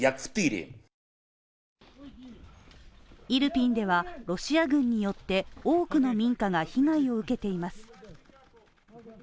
イルピンではロシア軍によって多くの民家が被害を受けています。